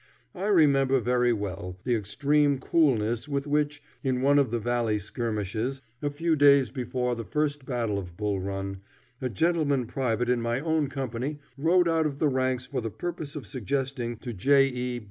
I remember very well the extreme coolness with which, in one of the valley skirmishes, a few days before the first battle of Bull Run, a gentleman private in my own company rode out of the ranks for the purpose of suggesting to J. E.